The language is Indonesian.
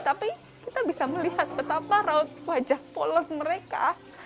tapi kita bisa melihat betapa raut wajah polos mereka